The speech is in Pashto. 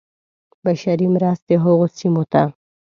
بشري مرستې هغو سیمو ته.